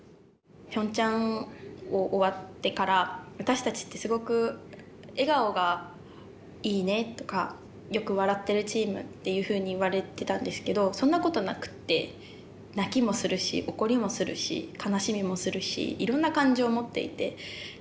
ピョンチャン終わってから私たちってすごく笑顔がいいねとかよく笑ってるチームっていうふうに言われてたんですけどそんなことなくって泣きもするし怒りもするし悲しみもするしいろんな感情を持っていて。